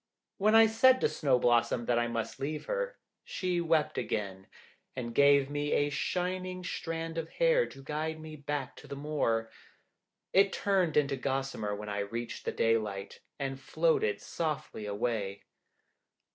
When I said to Snow blossom that I must leave her, she wept again, and gave me a shining strand of hair to guide me back to the moor. It turned into gossamer when I reached the daylight, and floated softly away.